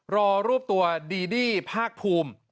รวบตัวดีดี้ภาคภูมิ